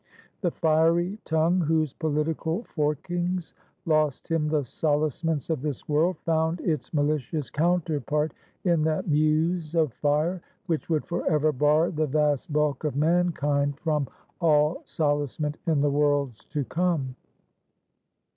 The fiery tongue whose political forkings lost him the solacements of this world, found its malicious counterpart in that muse of fire, which would forever bar the vast bulk of mankind from all solacement in the worlds to come.